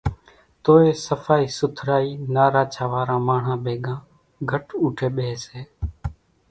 توئيَ صڦائِي سُٿرائِي نا راڇا واران ماڻۿان ڀيڳان گھٽ اُوٺيَ ٻيۿيَ سي۔